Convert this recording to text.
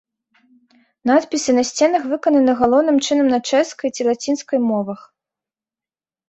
Надпісы на сценах выкананы галоўным чынам на чэшскай ці лацінскай мовах.